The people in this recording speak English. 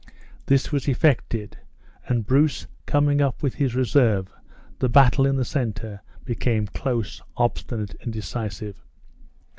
This was effected; and Bruce coming up with his reserve, the battle in the center became close, obstinate, and decisive.